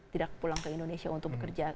tidak pulang ke indonesia untuk bekerja